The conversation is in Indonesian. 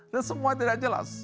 dan semua tidak jelas